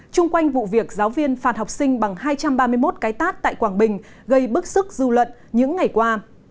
trung quanh vụ việc giáo viên phạt học sinh bằng hai trăm ba mươi một cái tát tại quảng bình gây bức sức du lận những ngày qua